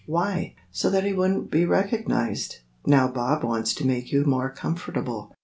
Why?" "So that he wouldn't be recognized. Now Bob wants to make you more comfortable."